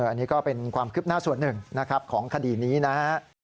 อันนี้ก็เป็นความคลิบหน้าส่วนหนึ่งของคดีนี้นะครับ